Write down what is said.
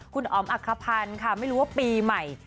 คุณอ๋อมอักขพันธ์ค่ะไม่รู้ว่าปีใหม่